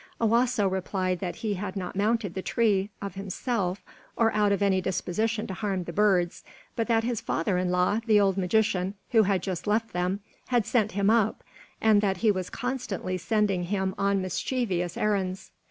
Owasso replied that he had not mounted the tree of himself, or out of any disposition to harm the birds, but that his father in law, the old magician who had just left them, had sent him up; that he was constantly sending him on mischievous errands.